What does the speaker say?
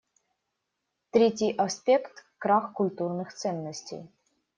Третий аспект — крах культурных ценностей.